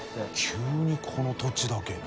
急にこの土地だけね。